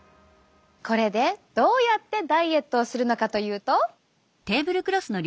これでどうやってダイエットをするのかというと。